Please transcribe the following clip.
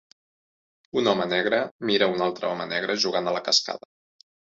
Un home negre mira un altre home negre jugant a la cascada.